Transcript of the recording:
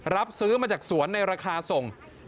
รับซื้อมาจากสวนในราคาส่ง